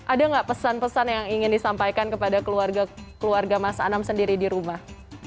ada nggak pesan pesan yang ingin disampaikan kepada keluarga mas anam sendiri di rumah